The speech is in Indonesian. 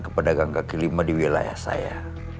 kepada gangga kelima di wilayah saya